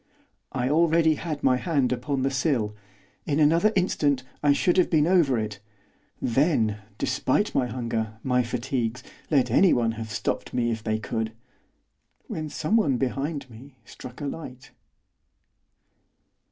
I already had my hand upon the sill, in another instant I should have been over it, then, despite my hunger, my fatigues, let anyone have stopped me if they could! when someone behind me struck a light.